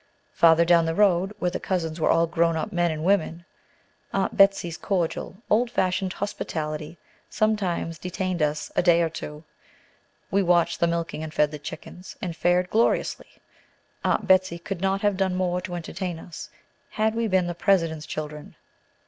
Farther down the road, where the cousins were all grown up men and women, Aunt Betsey's cordial, old fashioned hospitality sometimes detained us a day or two. We watched the milking, and fed the chickens, and fared gloriously. Aunt Betsey could not have done more to entertain us, had we been the President's children.